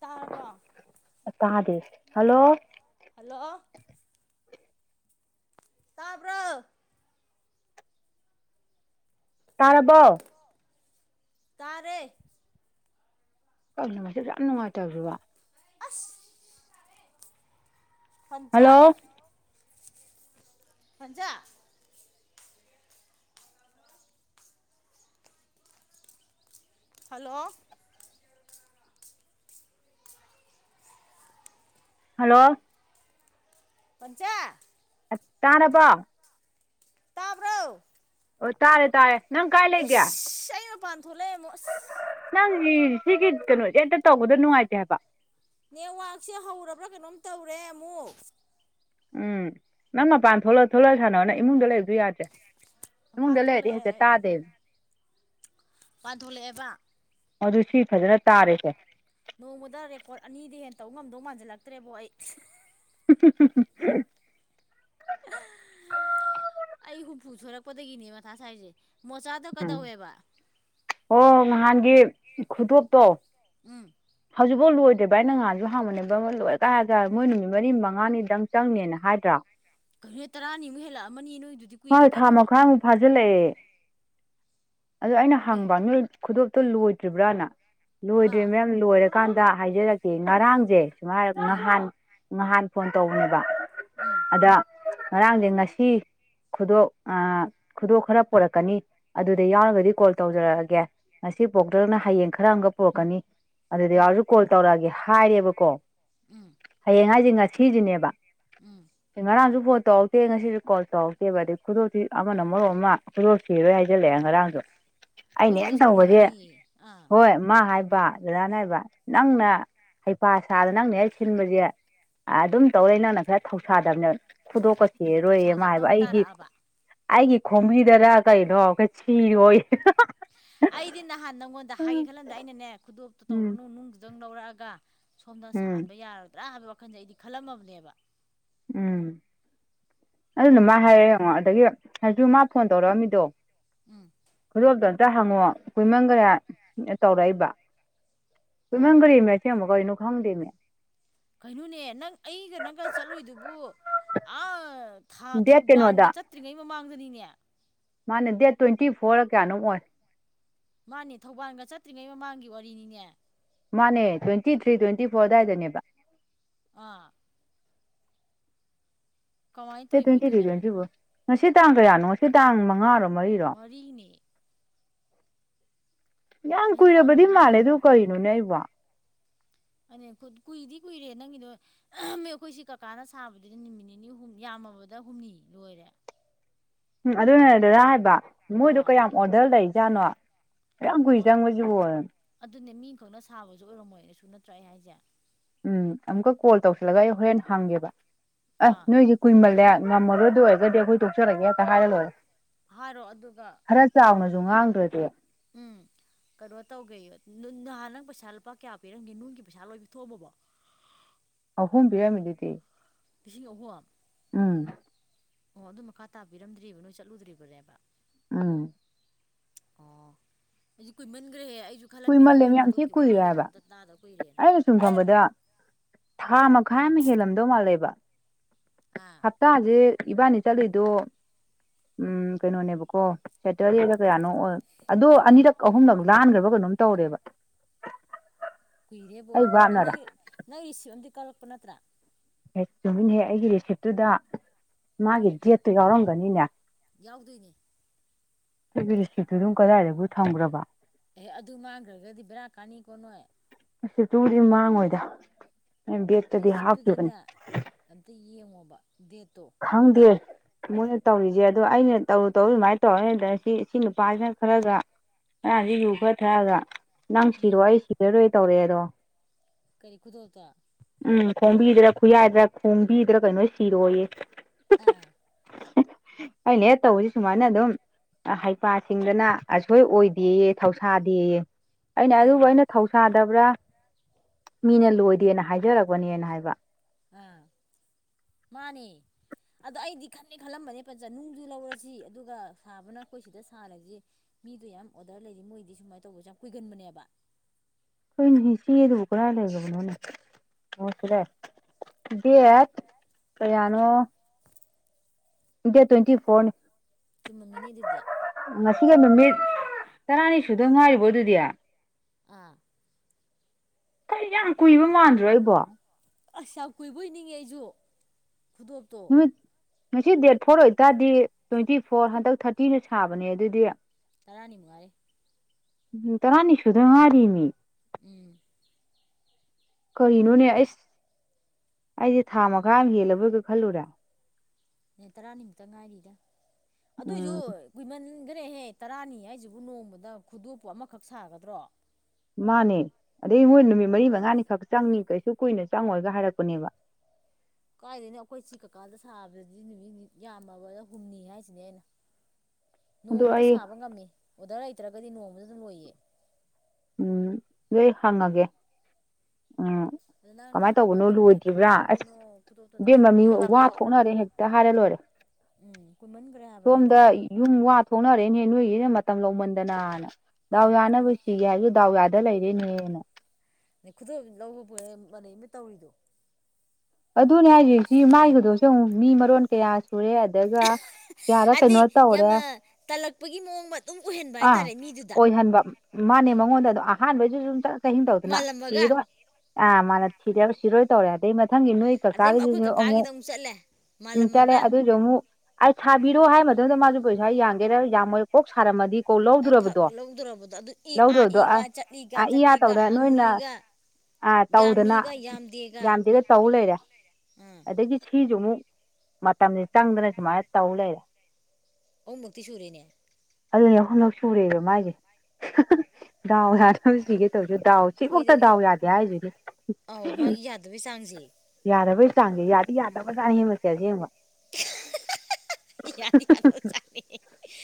ꯇꯥꯔꯕꯣ ꯇꯗ hello hello ꯇꯥꯕ꯭ꯔꯣ ꯇꯥꯔꯔꯕꯣ ꯇꯔꯦ ꯀꯪꯅ ꯃꯁ ꯌꯥꯝ ꯅꯨꯡꯉꯥꯏꯇꯕꯁꯤꯔꯤꯕ ꯑꯁ ꯐꯪꯆꯥ ꯍꯜꯂꯣ ꯈꯆꯥ ꯍꯜꯂꯣ ꯍꯜꯂꯣ ꯀꯆꯥ ꯇꯥꯅꯕ ꯇꯥꯕ꯭ꯔꯣ ꯑꯣ ꯇꯥꯔꯦ ꯇꯥꯔꯦ ꯅꯪ ꯀꯥꯏ ꯂꯩꯒꯦ ꯏꯁ ꯑꯩꯅ ꯄꯥꯟ ꯊꯣꯛꯂꯦ ꯃꯣ ꯑꯁ ꯅꯪꯒꯤ ꯁꯤꯒꯤ ꯀꯩꯅꯣꯗꯤꯦ ꯑꯦꯇ ꯇꯧꯕꯗꯣ ꯅꯨꯡꯉꯥꯏꯇꯦ ꯍꯥꯏꯕ ꯅꯦꯠꯋꯥꯛꯁꯦ ꯍꯧꯔꯕ꯭ꯔꯥ ꯀꯩꯅꯣꯝ ꯇꯧꯔꯦ ꯑꯃꯨꯛ ꯎꯝ ꯅꯃ ꯄꯥꯟ ꯊꯣꯂꯣ ꯊꯣꯂ ꯁꯥꯟꯅꯅ ꯏꯃꯨꯡꯗ ꯂꯩ ꯑꯗꯨ ꯌꯥꯗ꯭ꯔꯦ ꯏꯃꯨꯡ ꯃꯄꯥꯟ ꯂꯩꯔꯗꯤ ꯍꯧꯁꯦ ꯇꯥꯗꯦꯕ ꯄꯥꯟꯊꯂꯛꯦꯕ ꯑꯗꯨ ꯁꯤ ꯐꯖꯅ ꯇꯥꯔꯦꯁꯦ ꯅꯣꯡꯃꯗ ꯔꯦꯀꯣꯔꯠ ꯑꯅꯤꯗꯤ ꯍꯦꯟꯅ ꯇꯧꯕ ꯉꯝꯗꯧ ꯃꯥꯟꯁꯤꯜꯂꯛꯇ꯭ꯔꯦꯕꯣ ꯑꯩ [unintelligible] ꯑꯩ ꯍꯨꯝꯐꯨ ꯁꯣꯏꯨꯔꯛꯄꯗꯒꯤꯅꯦ ꯃꯊ ꯁꯥꯏꯁꯦ ꯃꯣꯆꯥꯗꯣ ꯎꯝ ꯀꯗꯧꯋꯦꯕ ꯑꯣꯣ ꯅꯍꯥꯟꯒꯤ ꯈꯨꯗꯣꯞꯇꯣ ꯎꯝ ꯍꯧꯖꯤꯛꯐꯥꯎ ꯂꯣꯏꯗ꯭ꯔꯤꯕꯚ ꯑꯏ ꯉꯥꯁꯨ ꯍꯥꯡꯃꯅꯦꯕ ꯑꯃ ꯂꯣꯏꯔ ꯀꯥꯏ ꯍꯥꯏꯔꯒ ꯃꯣꯏ ꯅꯨꯃꯤꯠ ꯃꯔꯤ ꯃꯉꯥꯅꯤꯗꯪ ꯆꯪꯅꯤꯅ ꯍꯥꯏꯗ꯭ꯔꯥ ꯀ ꯅꯣꯏ ꯇꯔꯥꯅꯤꯃꯨꯛ ꯍꯦꯜꯂꯛꯑꯃꯅꯤ ꯅꯣꯏ ꯍꯣꯏ ꯊꯥ ꯃꯈꯥꯃꯨꯛ ꯐꯥꯖꯤꯜꯂꯛꯑꯦ ꯑꯗꯨꯗꯣ ꯑꯩꯅ ꯑꯦ ꯍꯪꯕ ꯅ ꯈꯨꯗꯣꯞꯇꯣ ꯂꯣꯏꯗ꯭ꯔꯤꯕ꯭ꯔꯅ ꯂꯣꯏꯗ꯭ꯔꯦ ꯑꯥ ꯃꯌꯥꯝ ꯂꯣꯏ ꯀꯥꯟꯗ ꯍꯥꯏꯖꯔꯛꯀꯦ ꯉꯔꯥꯡꯖꯦ ꯁꯨꯃꯥꯏ ꯍꯥꯏꯔꯛꯄ ꯎꯝ ꯅꯍꯥꯟ ꯅꯍꯥꯟ ꯐꯣꯟ ꯇꯧꯕꯅꯦꯕ ꯎꯝ ꯑꯗ ꯉꯔꯥꯡꯖꯦ ꯉꯁꯤ ꯈꯨꯗꯣ ꯑ ꯈꯨꯗꯣ ꯈꯔ ꯄꯣꯔꯛꯀꯅꯤ ꯑꯗꯨꯗ ꯌꯥꯎꯔꯒꯗꯤ ꯀꯣꯜ ꯇꯧꯖꯔꯛꯑꯒꯦ ꯉꯁꯤ ꯄꯣꯔꯛꯇꯔ꯭ꯒꯅ ꯍꯌꯦꯡ ꯈꯔ ꯑꯃꯒ ꯄꯣꯔꯛꯀꯅꯤ ꯑꯗꯨꯗ ꯎꯝ ꯌꯥꯎꯔꯁꯨ ꯀꯣꯜ ꯇꯧꯔꯛꯑꯒꯦ ꯍꯥꯏꯔꯦꯕꯀꯣ ꯎꯝ ꯍꯌꯦꯡ ꯍꯥꯏꯁꯦ ꯉꯁꯤꯁꯤꯅꯦꯕ ꯎꯝ ꯑꯦ ꯉꯔꯥꯡꯁꯨ ꯐꯣꯟ ꯇꯧꯛꯇꯦ ꯉꯁꯤꯁꯨ ꯀꯣꯜ ꯇꯧꯔꯛ ꯇꯦꯕ ꯈꯨꯗꯣꯞꯇꯤ ꯑꯃꯅ ꯃꯔꯣꯜ ꯑꯃ ꯈꯨꯗꯣ ꯁꯤꯔꯔꯣꯏ ꯍꯥꯏꯖꯤꯜꯂꯛꯑꯦ ꯉꯔꯥꯡꯗꯣ ꯑꯩꯅ ꯈꯣꯏꯗꯧꯗꯣ ꯍꯦꯛ ꯇꯧꯕꯁꯦ ꯁꯥꯎꯅꯤꯡꯉꯛꯑꯅꯤ ꯑꯥ ꯍꯣꯏ ꯃꯥ ꯍꯥꯏ ꯄ ꯗꯗꯥꯅ ꯍꯥꯏꯕ ꯅꯪꯅ ꯍꯩꯄꯥꯁꯥꯗꯅ ꯅꯪꯅ ꯍꯦꯛ ꯁꯤꯟꯕꯁꯦ ꯑꯥꯗꯨꯝ ꯇꯧꯂꯩ ꯅꯪꯅ ꯈꯔ ꯊꯧꯁꯥꯗꯕꯅꯦ ꯈꯨꯗꯣꯛꯀ ꯁꯤꯔꯔꯣꯏꯌꯦ ꯃꯥ ꯍꯥꯏꯕ ꯑꯩ ꯇꯔꯛꯑꯕ ꯑꯩꯒꯤ ꯈꯣꯝꯕꯤꯗꯔ ꯀꯩꯅꯣ ꯁꯤꯌꯣꯌꯦ ꯑꯩꯗꯤ ꯅꯍꯥꯟ ꯅꯪꯉꯣꯟꯗ ꯍꯥꯏꯒꯦ ꯈꯜꯂꯝꯗ ꯑꯩꯅꯅꯦ ꯈꯨꯗꯣꯞꯇꯣ ꯎꯝ ꯇꯧꯔꯨꯅꯨ ꯅꯨꯡꯗꯨꯗ ꯗꯡ ꯂꯧꯔꯛꯑꯒ ꯁꯣꯝꯅ ꯎꯝ ꯁꯥꯍꯟꯕ ꯌꯥꯔꯣꯏꯗ꯭ꯔꯥ ꯍꯥꯏꯕꯩ ꯋꯥꯈꯜꯁꯦ ꯑꯩꯗꯤ ꯈꯜꯂꯝꯃꯕꯅꯦꯕ ꯎꯝ ꯑꯗꯨꯅ ꯃꯥ ꯈꯪꯉꯕ ꯍꯥꯏꯔ ꯌꯦꯡꯉꯣ ꯑꯗꯒꯤ ꯍꯧꯖꯤꯁꯨ ꯃꯥ ꯐꯣꯟ ꯇꯧꯔꯛꯑꯝꯃꯤꯗꯣ ꯎꯝ ꯈꯨꯗꯣꯞ ꯇ ꯍꯪꯉꯣ ꯀꯨꯏꯃꯟꯒꯔꯦ ꯇꯧꯔꯛꯏꯕ ꯀꯨꯏꯃꯟꯈꯔ꯭ꯦꯃꯤ ꯑꯁꯦꯡꯕ ꯀꯩꯅꯣ ꯈꯪꯗꯦꯃꯤ ꯀꯩꯅꯣꯅꯦ ꯅꯪ ꯑꯩꯒ ꯅꯪꯒ ꯆꯠꯂꯨꯏꯗꯨꯕꯨ ꯑꯥ ꯊꯥ ꯗꯦꯠ ꯊꯧꯕꯥꯟꯒ ꯆꯠꯇ꯭ꯔꯤꯉꯩ ꯃꯃꯥꯡꯗꯅꯤꯅꯦ ꯃꯥꯅꯦ ꯗꯦꯠ ꯇ꯭ꯋꯦꯟꯇꯤ ꯐꯣꯔ ꯀꯌꯥꯅꯣꯝ ꯑꯣꯏ ꯃꯥꯅꯦ ꯊꯧꯕꯥꯟꯒ ꯆꯠꯇ꯭ꯔꯤꯉꯩ ꯃꯃꯥꯡꯒꯤ ꯋꯥꯔꯤꯅꯤꯅꯦ ꯃꯥꯅꯦ ꯇ꯭ꯋꯦꯟꯇꯤ ꯊ꯭ꯔꯤ ꯇ꯭ꯋꯦꯟꯇꯤ ꯐꯣꯔ ꯑꯗꯥꯏꯗꯅꯦꯕ ꯑꯥ ꯀꯃꯥꯏꯅ ꯗꯦꯠ ꯇꯧꯔꯤꯕ ꯇ꯭ꯋꯦꯟꯇꯤ ꯊ꯭ꯔꯤ ꯑꯗꯨꯅ ꯇ꯭ꯋꯦꯟꯇꯤ ꯐꯣꯔ ꯉꯁꯤ ꯇꯥꯡ ꯀꯌꯥꯅꯣ ꯉꯥꯁꯤ ꯇꯥꯡ ꯃꯉꯥꯔꯣ ꯃꯔꯤꯔꯣ ꯃꯔꯤꯅꯦ ꯌꯥꯝ ꯉꯁꯤ ꯇꯥꯡ ꯀꯨꯏꯔꯕꯗꯤ ꯃꯥꯜꯂꯦ ꯃꯔꯤꯅꯦꯕ ꯑꯗꯨ ꯀꯩꯅꯣꯅꯦ ꯑꯩꯕꯣ ꯑꯅꯦ ꯀꯨꯏꯗꯤ ꯀꯨꯏꯔꯦ ꯅꯪꯒꯤꯗꯣ ꯃꯤ ꯑꯩꯈꯣꯏꯁꯤ ꯀꯀꯥꯅ ꯁꯥꯕꯗꯨꯗꯤ ꯅꯨꯃꯤꯠ ꯅꯤꯅꯤ ꯍꯨꯝ ꯌꯥꯝ ꯃꯕꯗ ꯍꯨꯝꯅꯤ ꯂꯣꯏꯔꯦ ꯎꯝ ꯑꯗꯨꯅꯦ ꯗꯗꯥ ꯍꯥꯏꯕ ꯃꯣꯏꯗꯣ ꯑꯥ ꯀꯌꯥꯝ ꯑꯣꯔꯗꯔ ꯂꯩꯖꯥꯠꯅꯣ ꯌꯥꯝ ꯀꯨꯏ ꯆꯪꯕꯁꯤꯕꯨ ꯑꯗꯨꯅꯦ ꯃꯤ ꯑꯝꯈꯛꯅ ꯁꯥꯕꯁꯨ ꯑꯣꯏꯔꯝꯃꯣꯏ ꯁꯨ ꯅꯠꯇ꯭ꯔꯥ ꯑꯩ ꯍꯥꯏꯁꯦ ꯎꯝ ꯑꯃꯨꯛꯀ ꯀꯣꯜ ꯇꯧꯁꯤꯜꯂꯒ ꯑꯩ ꯍꯣꯔꯦꯟ ꯍꯡꯒꯦꯕ ꯑ ꯑꯥ ꯅꯣꯏꯁꯦ ꯀꯨꯏꯃꯜꯂꯦ ꯉꯝꯃꯔꯣꯏ ꯗꯧ ꯑꯣꯏꯔꯒꯗꯤ ꯑꯩꯈꯣꯏ ꯇꯣꯛꯆꯔꯒꯦ ꯍꯦꯛꯇ ꯍꯥꯏꯔ ꯂꯣꯏꯔꯦ ꯍꯥꯏꯔꯣ ꯑꯗꯨꯒ ꯑꯗꯨ ꯉꯥꯡꯗ꯭ꯔꯗꯤ ꯎꯝ ꯀꯩꯅꯣ ꯇꯧꯒꯦ ꯅꯍꯥꯟ ꯅꯪ ꯄꯩꯁꯥ ꯂꯨꯄꯥ ꯀꯌꯥ ꯄꯤꯔꯝꯒꯦ ꯅꯨꯡꯒꯤ ꯄꯩꯁꯥ ꯂꯣꯏ ꯄꯤꯊꯣꯛꯑꯝꯃꯕꯣ [inaudible] ꯑꯍꯨꯝ ꯄꯤꯔꯝꯃꯤꯗꯨꯗꯤ ꯂꯤꯁꯤꯡ ꯑꯍꯨꯝ ꯎꯝ ꯑꯣ ꯑꯗꯨ ꯃꯈꯥ ꯇꯥꯕ ꯄꯤꯔꯝꯗ꯭ꯔꯤꯕ ꯅꯣꯏ ꯆꯠꯂꯨꯗ꯭ꯔꯤꯕꯅꯦꯕ ꯎꯝ ꯑꯣ ꯑꯗꯨ ꯀꯏꯃꯟꯈ꯭ꯔꯦꯍꯦ ꯑꯩ ꯑꯩꯁꯨ ꯈꯜꯂꯝꯃꯤꯅꯦ ꯅꯣꯏ ꯀꯨꯏꯃꯜꯂꯦꯃꯤ ꯌꯥꯝ ꯊꯤ ꯈꯨꯗꯣꯞꯀꯤ ꯀꯨꯏꯔꯦ ꯋꯥꯔꯤꯒꯗꯣ ꯍꯥꯏꯕ ꯑꯝꯇ ꯇꯥꯗ ꯀꯨꯏꯔꯦꯅ ꯑꯩꯅ ꯁꯨꯝ ꯈꯟꯕꯗ ꯊꯥ ꯃꯈꯥꯏ ꯑꯃ ꯍꯦꯜꯂꯝꯗꯧ ꯃꯥꯜꯂꯦꯕ ꯑꯥ ꯍꯞꯇꯥꯁꯦ ꯏꯕꯥꯅꯤ ꯆꯠꯂꯤꯗꯣ ꯎꯝ ꯀꯩꯅꯣꯅꯦꯕꯀꯣ ꯁꯦꯇꯔꯗꯦꯗ ꯀꯌꯥꯅꯣ ꯑꯣꯏ ꯑꯗꯣ ꯑꯅꯤꯔꯛ ꯑꯍꯨꯝꯂꯛ ꯂꯥꯟꯈ꯭ꯔꯕ ꯀꯩꯅꯣꯝ ꯇꯧꯔꯦꯕ ꯀꯨꯏꯔꯦꯕꯣ ꯑꯩ ꯑꯗ ꯚꯥꯞꯅꯔ ꯅꯪ ꯅꯪ ꯔꯤꯁꯤꯞ ꯑꯝꯗꯤ ꯀꯂꯛꯄ ꯅꯠꯇ꯭ꯔꯥ ꯑꯦ ꯆꯨꯃꯤꯅꯦꯍꯦ ꯑꯩꯒꯤ ꯔꯤꯁꯤꯞꯇꯨꯗ ꯃꯥꯒꯤ ꯗꯦꯠꯇꯨ ꯌꯥꯎꯔꯝꯒꯅꯤꯅꯦ ꯌꯥꯎꯗꯣꯏꯅꯦ ꯑꯩ ꯗꯤꯁꯇ꯭ꯔꯤꯛꯇꯨ ꯑꯗꯨꯝ ꯀꯗꯥꯏꯗꯕꯨ ꯊꯝꯈ꯭ꯔꯕ ꯑꯦ ꯑꯗꯨ ꯃꯥꯡꯈ꯭ꯔꯒꯗꯤ ꯕꯦꯔꯥ ꯀꯥꯅꯤ ꯀꯣꯅꯣ ꯑ ꯇꯨꯗꯤ ꯃꯥꯡꯉꯣꯏꯗ ꯑꯩꯅ ꯕꯦꯛꯇꯗꯤ ꯍꯥꯞꯈꯤꯕꯅꯤ ꯔꯤꯁꯤꯞꯇꯨꯗꯅꯦ ꯑꯝꯇ ꯌꯦꯡꯉꯣꯕ ꯗꯦꯠꯇꯣ ꯈꯪꯪꯗꯌꯦ ꯃꯣꯏꯅ ꯇꯧꯔꯤꯁꯦ ꯑꯗꯣ ꯑꯩꯅ ꯇꯧꯨ ꯇꯧꯔ ꯁꯨꯃꯥꯏꯅ ꯇꯧꯔꯅꯤꯗ ꯁꯤ ꯁꯤ ꯅꯨꯄꯥꯁꯤꯅ ꯈꯔꯒ ꯉꯔꯥꯡꯁꯤ ꯌꯨ ꯈꯔ ꯊꯛꯑꯒ ꯅꯪ ꯎꯝ ꯁꯤꯔꯣꯑꯣ ꯑꯩ ꯁꯤꯔꯔꯣꯏ ꯇꯧꯔꯛꯑꯦ ꯑꯗꯣ ꯀꯔꯤ ꯀꯨꯗ ꯇ ꯎꯝ ꯈꯣꯡꯕꯤꯗꯔ ꯈꯨꯌꯥꯏꯗ꯭ꯔꯥ ꯈꯣꯡꯕꯤꯗꯔ ꯀꯩꯅꯣ ꯁꯤꯔꯣꯏꯌꯦ ꯑ ꯑꯅꯦ ꯍ ꯇꯧꯕꯁꯤ ꯁꯨꯃꯥꯏꯅ ꯑꯗꯨꯝ ꯍꯩꯄꯥꯁꯤꯡꯗꯅ ꯑꯁꯣꯏ ꯑꯣꯏꯗꯦꯌꯦ ꯊꯧꯁꯥꯗꯦꯌꯦ ꯑꯩꯅ ꯑꯗꯨꯕꯨ ꯑꯥ ꯑꯩꯅ ꯊꯧꯁꯥꯗꯕ꯭ꯔꯥ ꯃꯤꯅ ꯂꯣꯏꯗꯦꯅ ꯍꯥꯏꯖꯔꯛꯄꯅꯦꯅ ꯍꯥꯏꯕ ꯑ ꯃꯥꯅꯤ ꯑꯗꯣ ꯑꯩꯗꯤ ꯈꯜꯂꯦ ꯈꯜꯂꯝꯕꯅꯦ ꯄꯟꯖ ꯅꯨꯡꯁꯨ ꯂꯧꯔꯁꯤ ꯑꯗꯨꯒ ꯁꯥꯕꯅ ꯑꯩꯈꯣꯏ ꯁꯤꯗ ꯁꯥꯔꯁꯤ ꯃꯤꯗꯣ ꯌꯥꯝ ꯑꯣꯗꯔ ꯂꯩꯔꯤ ꯃꯣꯏꯗꯤ ꯁꯨꯃꯥꯏꯅ ꯇꯧꯕꯁꯨ ꯌꯥꯝ ꯀꯨꯏꯒꯟꯕꯅꯦꯕ ꯍꯣꯏ ꯁꯤ ꯑꯗꯨꯕꯨ ꯀꯗꯥꯥꯏ ꯂꯩꯕꯅꯣꯅꯦ ꯃꯣꯁꯤꯔꯦ ꯗꯦꯠ ꯀꯌꯥꯅꯣ ꯏꯟꯗꯤꯌꯥ ꯇ꯭ꯋꯦꯟꯇꯤ ꯐꯣꯔ ꯆꯨꯝꯃ ꯃꯤꯅꯤꯗꯗꯦ ꯅꯨꯃꯤꯠ ꯇꯔꯥꯅꯤ ꯁꯨꯗ ꯉꯥꯏꯔꯤꯕꯣ ꯑꯗꯨꯗꯤꯌꯥ ꯑꯥ ꯀꯔꯤ ꯌꯥꯝ ꯀꯨꯏꯕ ꯃꯥꯟꯗ꯭ꯔꯣ ꯑꯩꯕꯣ ꯑꯁ ꯌꯥꯝ ꯀꯨꯏꯕ ꯑꯣꯏ ꯅꯤꯡꯉꯦ ꯑꯩꯁꯨ ꯈꯨꯗꯣꯞꯇꯣ ꯅꯨꯃꯤꯠ ꯉꯁꯤ ꯗꯦꯠ ꯐꯣꯔ ꯑꯣꯏꯇꯥꯔꯗꯤ ꯇ꯭ꯋꯦꯟꯇꯤ ꯐꯣꯔ ꯍꯟꯗꯛ ꯊꯥꯔꯇꯤꯅ ꯁꯥꯕꯅꯦ ꯑꯗꯨꯗꯤ ꯇꯔꯥꯅꯤ ꯃꯨꯉꯔꯦ ꯎ ꯇꯔꯥꯅꯤꯁꯨꯨꯗ ꯃꯥꯔꯤꯅꯤ ꯎꯝ ꯀꯔꯤꯅꯣꯅꯦ ꯑꯩꯁ ꯑꯩꯁꯦ ꯊꯥ ꯃꯈꯥ ꯑꯃ ꯍꯦꯜꯂꯕꯣꯏꯒ ꯈꯜꯂꯨꯔꯦ ꯃꯤꯠ ꯇꯔꯥꯅꯤꯃꯨꯛꯇ ꯉꯥꯏꯔꯤꯗ ꯑꯗꯨꯏꯁꯨ ꯎꯝ ꯀꯃꯟ ꯆꯟꯈ꯭ꯔꯦꯍꯦ ꯇꯔꯥꯅꯤ ꯍꯥꯏꯁꯤꯕꯨ ꯅꯣꯡꯃꯗ ꯈꯨꯗꯣꯞꯄꯨ ꯑꯃꯈꯛ ꯁꯥꯒꯗ꯭ꯔꯣ ꯃꯥꯅꯦ ꯑꯗꯩ ꯃꯣꯏ ꯅꯨꯃꯤꯠ ꯃꯔꯤ ꯃꯉꯥꯅꯤ ꯈꯛ ꯆꯪꯅꯤ ꯀꯩꯁꯨ ꯀꯨꯏꯅ ꯆꯪꯉꯣꯏꯒ ꯍꯥꯏꯔꯛꯄꯅꯦꯕ [unintelligible] ꯀꯥꯏꯗꯣꯏꯅꯣ ꯑꯩꯈꯣꯏ ꯁꯤ ꯀꯀꯥꯗ ꯁꯥꯕꯗꯗꯤ ꯅꯨꯃꯤꯠ ꯌꯥꯝꯃꯕ ꯍꯨꯝꯅꯤ ꯍꯥꯏꯁꯤꯅꯦ ꯑꯩꯅ ꯑꯗꯣ ꯅꯣꯡꯃꯗ ꯑꯩ ꯁꯥꯕ ꯉꯝꯃꯤ ꯑꯣꯗꯔ ꯂꯩꯇ꯭ꯔꯒꯗꯤ ꯅꯣꯡꯃꯗ ꯑꯗꯨꯝ ꯂꯣꯏꯌꯦ ꯎꯝ ꯂꯩꯣꯏ ꯍꯥꯡꯉꯒꯦ ꯑ ꯑꯗ ꯅꯪꯅ ꯀꯃꯥꯏꯅ ꯇꯧꯕꯅꯣ ꯍꯪꯉꯒꯅꯦ ꯂꯣꯏꯗ꯭ꯔꯤꯕ꯭ꯔꯥ ꯀꯃꯥꯏꯅ ꯑꯁ ꯇꯧꯗꯣꯏꯅꯣ ꯈꯨꯗꯣꯞꯇꯣ ꯏꯕꯦꯝ ꯃꯃꯤ ꯇꯁꯦꯡꯅ ꯋꯥ ꯊꯣꯛꯅꯔꯦ ꯍꯦꯛꯇ ꯍꯥꯏꯔ ꯂꯣꯏꯔꯦ ꯎꯝ ꯀꯨꯏꯃꯟꯈ꯭ꯔꯦ ꯁꯣꯝꯗ ꯍꯥꯏꯕꯅꯤꯗ ꯌꯨꯝ ꯋꯥ ꯊꯣꯛꯅꯔꯦ ꯅꯦ ꯅꯣꯏꯒꯤꯅ ꯃꯇꯝ ꯂꯧꯃꯟꯗꯅꯅ ꯗꯥꯎ ꯎꯝ ꯌꯥꯅꯕ ꯁꯤꯒꯦ ꯍꯥꯏꯔꯁꯨ ꯗꯥꯎ ꯌꯥꯗ ꯗ ꯂꯩꯔꯦꯅꯦꯅ ꯑ ꯈꯨꯗꯣ ꯂꯧꯕꯕꯨ ꯃꯅꯩ ꯑꯃ ꯇꯧꯔꯤꯗꯣ ꯑꯗꯨꯅꯦ ꯍꯥꯏꯦꯁꯤ ꯃꯥꯏꯒꯤꯗꯣꯁꯨ ꯑꯃꯨꯛ ꯃꯤ ꯃꯔꯣꯟ ꯀꯌꯥꯁꯤ ꯍꯥꯏꯗꯤ ꯇꯧꯔꯦ ꯌꯥꯝꯅ ꯇꯥꯜꯂꯛꯄꯒꯤ ꯃꯑꯣꯡ ꯃꯇ ꯑꯗꯨꯝ ꯑꯣꯏꯍꯟꯕ ꯑꯥ ꯍꯥꯏꯇꯥꯔꯦ ꯃꯤ ꯑꯣꯏꯍꯟꯕ ꯃꯥꯅꯦ ꯃꯉꯣꯟꯗ ꯑꯗꯨꯝ ꯑꯍꯥꯟꯕꯩꯁꯨ ꯁ ꯆꯍꯤꯤꯡ ꯇꯧꯗꯅ ꯃꯥꯜꯂꯝꯃꯒ ꯏꯗ ꯑ ꯃꯥꯅ ꯁꯤꯗ ꯁꯤꯔꯣꯏ ꯇꯧꯔꯦ ꯑꯗꯩ ꯃꯊꯪꯒꯤ ꯅꯣꯏ ꯑꯗꯩ ꯑꯩꯈꯣꯏ ꯀꯀꯥꯒꯤꯗꯨꯁꯨ ꯑꯃꯨꯛ ꯀꯀꯥꯒꯤꯗ ꯆꯠꯂꯦ ꯎꯝ ꯆꯠꯂꯦ ꯃꯥꯜꯂꯝꯃꯒ ꯑꯗꯨꯁꯨ ꯑꯃꯨꯛ ꯑꯩ ꯁꯥꯕꯤꯔꯣ ꯍꯥꯏ ꯃꯇꯝꯗ ꯃꯥꯁꯨ ꯄꯩꯁꯥ ꯌꯥꯒꯦꯥ ꯌꯥꯝꯃꯣꯏ ꯀꯣꯛ ꯁꯥꯔꯝꯃꯗꯤ ꯀꯣ ꯂꯧꯗꯣꯔꯕꯗꯣ [unintelligible] ꯂꯧꯗꯔꯕꯗꯣ ꯑꯗꯨ ꯏ ꯑꯥ ꯏ ꯂꯧꯗꯣꯔꯕꯗꯣ ꯑ ꯟꯥ ꯆꯠꯂꯤꯒ ꯆꯠꯇꯦꯒ ꯍꯪꯉꯤꯒ ꯑꯥ ꯇꯧꯗꯅ ꯌꯥꯝꯗꯦꯒ ꯇꯧ ꯂꯩꯔꯦ ꯑꯥ ꯑꯗꯒꯤ ꯁꯤꯁꯨ ꯑꯃꯨꯛ ꯃꯇꯝꯁꯦ ꯆꯪꯗꯅ ꯁꯨꯃꯥꯏꯅ ꯇꯧ ꯂꯩꯔꯦ ꯑꯍꯨꯝ ꯃꯨꯛꯇꯤ ꯁꯨꯔꯤꯅꯦ ꯑꯗꯨꯅꯦ ꯑꯍꯨꯝꯂꯛ ꯁꯨꯔꯦꯕ ꯃꯥꯏꯁꯦ ꯗꯥꯎ ꯌꯥꯗꯕꯗꯥ ꯁꯤꯒꯦ ꯇꯧꯎ ꯗꯥꯎ ꯑꯩꯈꯣꯏꯗ ꯁꯤꯃꯨꯛꯇ ꯗꯥꯎ ꯌꯥꯗꯦ ꯍꯥꯏꯁꯤꯅꯦ ꯑꯧ ꯃꯥꯒꯤ ꯌꯥꯗꯕꯩ ꯆꯥꯡꯁꯦ ꯌꯥꯗꯕꯒꯤ ꯆꯥꯡꯁꯦ ꯌꯥꯗꯤ ꯌꯥꯗꯕ ꯖꯠꯅꯦ ꯃꯁꯦ ꯑꯁꯦꯡꯕꯥ [unintelligible] ꯌꯥꯗꯤ ꯌꯥꯗꯕ ꯆꯥꯡꯅꯦ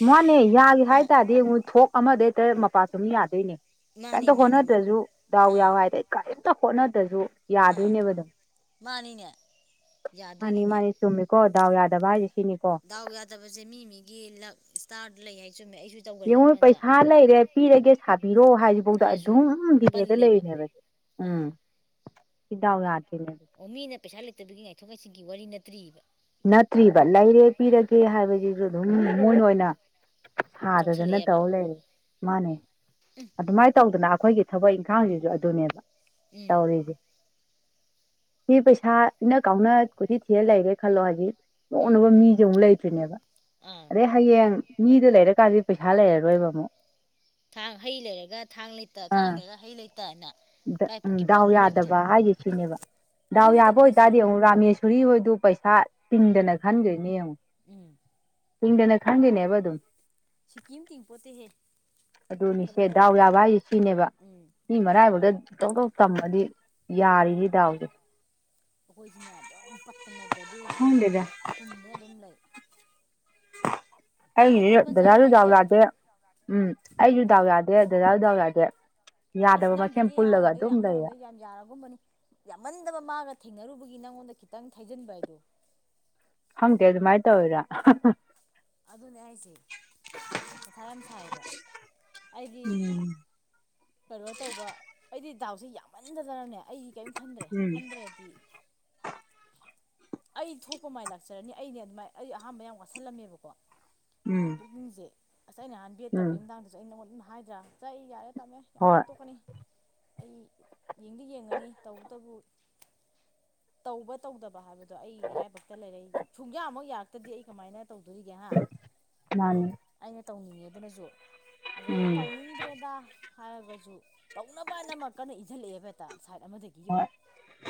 ꯃꯥꯅꯦ ꯌꯥꯒꯦ ꯍꯥꯏ ꯑꯥ ꯇꯥꯔꯗꯤ ꯃꯣꯏ ꯊꯣꯛ ꯑꯃꯗꯩ ꯃꯄꯥ ꯆꯨꯝ ꯌꯥꯗꯣꯏꯅꯦ ꯃꯥꯅꯦ ꯀꯩꯝꯇ ꯃꯥꯅꯦ ꯍꯣꯠꯅꯗ꯭ꯔꯁꯨ ꯗꯥꯎ ꯑꯥ ꯌꯥꯎ ꯍꯥꯏꯗ ꯑꯩ ꯀꯥꯏ [unintelligible] ꯍꯣꯠꯅꯗ꯭ꯔꯁꯨ ꯑꯥ ꯌꯥꯗꯣꯏꯅꯦꯕ ꯑꯗꯨꯝ ꯃꯥꯅꯤꯅꯦ ꯌꯥꯗꯣꯏꯅꯤꯅꯦ ꯍꯣꯗꯥꯎ ꯌꯥꯗꯕ [unintelligible] ꯗꯥꯎ ꯌꯥꯗꯕꯁꯦ ꯃꯤ ꯃꯤꯒꯤ ꯂꯛ ꯁꯇꯥꯔꯗ ꯂꯩ ꯆꯨꯝꯃꯦ ꯑꯩꯁꯨ ꯇꯧꯒꯜꯂꯦꯕ ꯌꯦꯡꯉꯣ ꯄꯟꯖꯥ ꯄꯩꯁꯥ ꯂꯩꯔꯦ ꯄꯤꯔꯒꯦ ꯁꯥꯕꯤꯔꯑꯣ ꯍꯥꯏꯁꯤꯐꯧꯗ ꯑꯩꯁꯨ ꯑꯗꯨꯝ ꯗꯤꯔꯦꯗ ꯄꯜꯂꯦꯕ ꯂꯩꯔꯤꯅꯦꯕꯁꯦ ꯎꯝ ꯑꯥ ꯁꯤ ꯗ [unintelligible] ꯑꯣ ꯃꯤꯅ ꯄꯩꯁꯥ ꯂꯩꯇꯕꯒꯤ ꯉꯥꯏꯊꯣꯛ ꯉꯥꯏꯁꯤꯟꯒꯤ ꯋꯥꯔꯤ ꯅꯠꯇ꯭ꯔꯤꯕ ꯅꯠꯇ꯭ꯔꯤꯕ ꯂꯩꯔꯦ ꯑꯥ ꯄꯤꯔꯒꯦ ꯍꯥꯏꯕꯁꯤꯁꯨ ꯑꯗꯨꯝ ꯃꯣꯏꯅ ꯑꯣꯏꯅ ꯁꯥꯗꯗꯅ ꯆꯥꯎꯁꯜꯂꯛꯑꯦꯕ ꯇꯧ ꯂꯩꯔꯦ ꯃꯥꯅꯦ ꯎꯝ ꯑꯗꯨꯃꯥꯏꯅ ꯇꯧꯗꯅ ꯑꯩꯈꯣꯏꯒꯤ ꯊꯕꯛ ꯏꯪꯈꯥꯡꯁꯤꯁꯨ ꯑꯗꯨꯅꯦꯕ ꯎꯝ ꯇꯧꯔꯤꯁꯦ ꯁꯤ ꯄꯩꯁꯥ ꯏꯟꯅꯥ ꯀꯥꯎꯅ ꯀꯣꯏ ꯊꯤꯔ ꯂꯩꯒꯦ ꯈꯜꯂꯣ ꯍꯧꯖꯤꯛ ꯎꯝ [unintelligible] ꯃꯤꯁꯦ ꯑꯃꯨꯛ ꯂꯩꯇ꯭ꯔꯤꯅꯦꯕ ꯑꯥ ꯑꯗꯩ ꯍꯌꯦꯡ ꯃꯤꯗꯨ ꯂꯩꯔꯀꯥꯟꯗꯤ ꯄꯩꯁꯥ ꯂꯩꯔꯔꯣꯏꯕ ꯑꯃꯨꯛ ꯊꯥꯡ ꯍꯩ ꯂꯩꯔꯒ ꯊꯥꯡ ꯂꯩꯇ ꯊꯥꯡ ꯑꯥ ꯂꯩꯔꯒ ꯍꯩ ꯂꯩꯇ ꯍꯥꯏꯅ ꯎꯝ ꯗꯥꯎ ꯌꯥꯗꯕ ꯍꯥꯏꯁꯦ ꯁꯤꯅꯦꯕ ꯗꯥꯎ ꯑꯗꯨꯅꯦ ꯌꯥꯕ ꯇꯧꯗꯣꯏꯁꯦ ꯑꯣꯏꯇꯥꯔꯗꯤ ꯑꯃꯨꯛ ꯔꯥꯃꯦꯁꯔꯤ ꯍꯣꯏꯗ ꯁꯥ ꯇꯤꯡꯗꯅ ꯎꯝ ꯈꯟꯈꯔꯤꯅꯤ ꯌꯦꯡꯉꯨ ꯎꯝ ꯇꯤꯡꯗꯅ ꯈꯟꯈꯤꯅꯦꯕ ꯑꯗꯨꯝ ꯁꯤꯀꯤꯝ ꯇꯤꯡꯄꯣꯠꯇꯍꯦ ꯑꯗꯨꯅꯤꯁꯦ ꯗꯥꯎ ꯌꯥꯕ ꯍꯥꯏꯁꯦ ꯁꯤꯅꯦꯕ ꯎꯝ ꯃꯤ ꯃꯔꯥꯏ ꯕꯛꯇꯥ ꯇꯣꯛ ꯇꯣꯀ ꯑꯩꯈꯣꯏꯁꯤꯅ ꯇꯝꯃꯗꯤ ꯌꯥꯔꯤꯅꯤ ꯗꯥꯎꯗꯣ ꯑꯩꯈꯣꯏꯁꯤꯅ ꯑꯗꯨꯝ ꯄꯠꯇꯅꯗꯗꯒꯤꯗꯤ ꯈꯪꯗꯦꯗ ꯄꯨꯝꯗꯅ ꯑꯗꯨꯝ ꯂꯩ ꯅꯠꯇ꯭ꯔꯣ ꯑꯩꯒꯤꯁꯨ ꯄꯟꯆꯥ ꯑꯩ ꯗꯗꯥꯁꯨ ꯍꯥꯏꯁꯦ ꯗꯥꯎ ꯌꯥꯗꯦ ꯎꯝ ꯑꯩꯁꯨ ꯗꯥꯎ ꯌꯥꯗꯦ ꯗꯗꯥꯁꯨ ꯗꯥꯎ ꯌꯥꯗꯦ ꯑꯩꯁ ꯌꯥꯗꯕ ꯃꯁꯦꯟ ꯅꯪꯒꯤꯗꯤ ꯄꯨꯜꯂꯒ ꯍꯥꯏꯔꯨꯔꯥꯗꯤ ꯑꯗꯨꯝ ꯂꯩꯔꯦ ꯟꯃꯥꯔꯣꯝꯗ ꯌꯥꯝ ꯌꯥꯔꯒꯨꯝꯕꯅꯤ ꯌꯥꯝꯃꯟꯗꯕ ꯃꯥꯒ ꯊꯦꯡꯅꯔꯨꯕꯒꯤ ꯅꯪꯉꯣꯟꯗ ꯈꯤꯇꯪ ꯊꯩꯖꯤꯟꯕ ꯍꯥꯏꯗꯣ ꯈꯪꯗꯦ ꯑꯗꯨ ꯃꯥꯏ ꯅꯥ ꯇꯧꯏꯔꯥ ꯑꯗꯨꯅꯦ ꯑꯩꯁꯦ ꯃꯥꯊꯥ ꯌꯥꯝ ꯁꯥꯏꯌꯦꯕ ꯑꯩꯗꯤ ꯎꯝ ꯀꯩꯅꯣ ꯇꯧꯕ ꯑꯩꯗꯤ ꯗꯥꯎꯁꯦ ꯌꯥꯝꯃꯟꯗꯥꯗ ꯅꯥꯅꯦ ꯑꯩ ꯀꯔꯤꯝ ꯈꯟꯗ꯭ꯔꯦ ꯎꯝ ꯈꯟꯗ꯭ꯔꯦꯗꯤ ꯑꯩ ꯊꯣꯛꯄ ꯃꯥꯏ ꯂꯥꯛꯆꯔꯅꯤ ꯑꯩꯅꯦ ꯑꯗꯨꯃꯥꯏꯅ ꯑꯩ ꯑꯍꯥꯟꯕ ꯌꯥꯝ ꯋꯥꯠꯁꯜꯂꯝꯃꯦꯕꯀꯣ ꯎꯝ ꯄꯨꯛꯅꯤꯡꯁꯦ ꯑꯁ ꯑꯩꯅ ꯅꯍꯥꯟ ꯕꯦꯠ ꯎꯝ ꯇꯧꯕꯩꯏ ꯃꯇꯥꯡꯗꯁꯨ ꯑꯩ ꯅꯉꯣꯟꯗ ꯑꯗꯨꯝ ꯍꯥꯏꯗ꯭ꯔꯥ ꯃꯆꯥ ꯌꯥꯔꯦ ꯇꯃꯣ ꯌꯥꯗꯦ ꯍꯣꯏ ꯇꯣꯛꯀꯅꯤ ꯑꯩ ꯌꯦꯡꯗꯤ ꯌꯦꯡꯉꯅꯤ ꯇꯧꯕꯇꯕꯨ ꯇꯧꯕ ꯇꯧꯗꯕ ꯍꯥꯏꯕꯗ ꯑꯗꯣ ꯑꯩ ꯏꯔꯥꯏꯕꯛꯇ ꯂꯩꯔꯛꯏ ꯁꯨꯡꯌꯥꯃ ꯌꯥꯔꯛꯇꯗꯤ ꯑꯩ ꯀꯃꯥꯏꯅ ꯇꯧꯗꯣꯔꯤꯒꯦ ꯍꯥ ꯃꯥꯅꯤ ꯑꯩꯅ ꯇꯧꯅꯤꯡꯉꯦ ꯑꯗꯨꯅꯁꯨ ꯑꯗꯩ ꯑꯩꯅ ꯎꯝ ꯇꯧꯅꯤꯡꯗ꯭ꯔꯦꯗ ꯍꯥꯏꯔꯒꯁꯨ ꯇꯧꯅꯕ ꯑꯅꯃꯛ ꯀꯟꯅ ꯏꯟꯖꯟꯂꯛꯑꯦꯕ ꯍꯦꯛꯇꯥ ꯁꯥꯏꯠ ꯑꯃꯗꯒꯤ ꯌꯦꯡꯉꯨ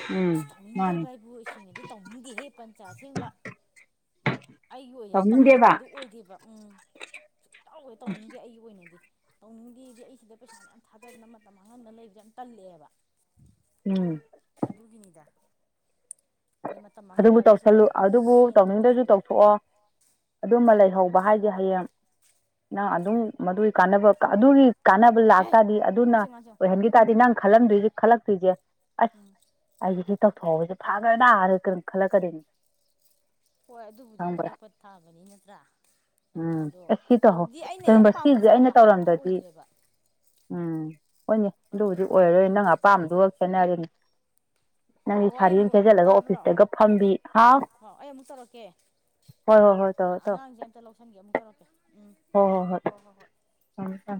ꯎꯝ ꯏꯁ ꯃꯥꯅꯤ ꯊꯧꯅꯤꯡꯗꯕ ꯍꯥꯏꯕꯨ [unintelligible] ꯇꯧꯅꯤꯡꯗꯦꯍꯦ ꯄꯟꯆꯥ ꯁꯦꯡꯕ ꯑꯩꯒꯤ ꯑꯣꯏꯅꯗꯤ ꯇꯧꯅꯤꯡꯕ ꯇꯧꯅꯤꯡꯗꯦꯕ ꯑꯗꯨ ꯑꯣꯏꯗꯦꯕ ꯎꯝ ꯁꯨꯛꯇꯥꯎ ꯍꯦꯛ ꯇꯧꯅꯤꯡꯗꯦ ꯑꯩꯒꯤ ꯑꯣꯏꯅꯗꯤ ꯇꯧꯅꯤꯡꯗꯦꯗꯤ ꯑꯩꯁꯤꯗ ꯄꯩꯁꯥ ꯃꯌꯥꯝ ꯊꯥꯗꯗꯅ ꯃꯇꯝ ꯃꯥꯡꯍꯝꯗꯅ ꯂꯩꯕꯁꯦ ꯌꯥꯝ ꯇꯜꯂꯦꯕ ꯎꯝ ꯑꯗꯨꯒꯤꯅꯤꯗ ꯑꯗꯩ ꯃꯇꯝ ꯑꯗꯨꯕꯨ ꯃꯥꯡꯍꯜꯂꯒ ꯁꯤꯗ ꯇꯧꯁꯜꯂꯨ ꯑꯗꯨꯕꯨ ꯁꯦꯟ ꯇꯧꯅꯤꯡꯗꯁꯨ ꯊꯥꯗꯕꯗꯣ ꯇꯧꯊꯣꯛꯑꯣ ꯑꯗꯨꯝꯕ ꯂꯩꯍꯧꯕ ꯍꯥꯏꯗꯤꯦ ꯍꯌꯦꯡ ꯅꯪ ꯑꯗꯨꯝ ꯃꯗꯨꯒꯤ ꯀꯥꯟꯅꯕ ꯑꯗꯨꯒꯤ ꯀꯥꯟꯅꯕ ꯍꯦ ꯂꯥꯛꯇꯥꯔꯗꯤ ꯑꯗꯨꯅ ꯁꯦꯡꯉꯣ ꯁꯦꯡꯉꯣ ꯑꯣꯏꯍꯟꯈꯤ ꯇꯥꯔꯗꯤ ꯅꯪ ꯈꯜꯂꯝꯗꯣꯏꯁꯦ ꯈꯜꯂꯛꯇꯣꯏꯁꯦ ꯑꯁ ꯎꯝ ꯑꯩꯁꯦ ꯁꯤ ꯇꯧꯊꯣꯛꯑꯕꯁꯦ ꯐꯥꯈ꯭ꯔ ꯅꯥꯔ ꯀꯩꯅꯝ ꯈꯜꯂꯛꯀꯗꯣꯏꯅꯤ ꯍꯣꯏ ꯑꯗꯨꯕꯨꯗꯤ ꯈꯪꯕ꯭ꯔꯥ ꯈꯜꯂꯛꯄ ꯊꯥꯕꯅꯤ ꯅꯠꯇ꯭ꯔꯥ ꯎꯝ ꯑꯗꯣ ꯑꯦ ꯁꯤ ꯇꯧꯍꯧ ꯇꯧꯗꯤ ꯑꯩꯅ ꯍꯦꯛ ꯀꯩꯒꯨꯝꯕ ꯁꯤꯁꯦ ꯑꯩꯅ ꯄꯥꯝꯖꯕ ꯍꯥꯏꯕꯗꯨ ꯇꯧꯔꯝꯗꯗꯤ ꯑꯣꯏꯗꯦꯕ ꯎꯝ ꯍꯣꯏꯅꯦ ꯑꯗꯨ ꯍꯧꯖꯤꯛ ꯄꯥꯝꯖꯕ ꯑꯣꯏꯔꯔꯣꯏ ꯄꯣꯠꯇꯨꯗꯤ ꯅꯪ ꯑꯣꯏꯗ꯭ꯔꯦꯗꯅ ꯑꯄꯥꯝꯕꯗꯨꯒ ꯈꯦꯠꯅꯔꯤꯅꯦ ꯅꯪꯗꯤ ꯑꯣ ꯁꯥꯔꯤ ꯌꯦ ꯆꯦꯖꯜꯂꯒ ꯑꯣꯐꯤꯁꯇꯒ ꯐꯝꯕꯤ ꯍꯥꯎ ꯍ ꯑꯩ ꯑꯃꯨꯛ ꯇꯧꯔꯛꯀꯦ ꯍꯣꯏ ꯍꯣꯏ ꯍꯣꯏ ꯇꯧꯔꯣ ꯇꯧꯔꯣ ꯑꯉꯥꯡꯁꯦ ꯑꯝꯇ ꯂꯧꯁꯟꯒꯦ ꯑꯃꯨꯛ ꯇꯧꯔꯛꯀꯦ ꯎꯝ ꯍꯣꯏ ꯍꯣꯏ ꯍꯣꯏ ꯎꯝ